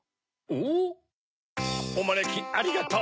おまねきありがとう！